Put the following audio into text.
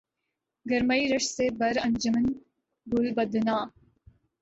گرمئی رشک سے ہر انجمن گل بدناں